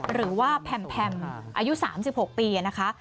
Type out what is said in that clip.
หรือว่าแพมอายุ๓๖ปีนะคะ